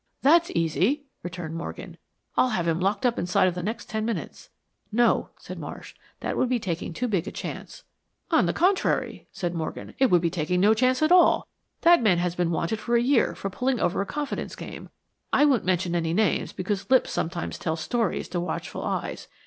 "That's easy," returned Morgan. "I'll have him locked up inside of the next ten minutes." "No," said Marsh, "that would be taking too big a chance." "On. the contrary," said Morgan, "it would be taking no chance at all. That man has been wanted for a year for putting over a confidence game. I won't mention any names because lips sometimes tell stories to watchful eyes.